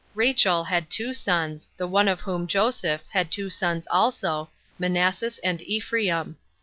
Rachel had two sons, the one of whom, Joseph, had two sons also, Manasses and Ephraim.